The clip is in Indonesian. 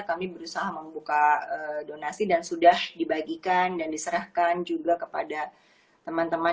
kami berusaha membuka donasi dan sudah dibagikan dan diserahkan juga kepada teman teman